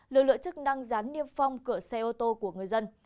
lựa lựa chức năng gián niêm phong cửa xe ô tô của người dân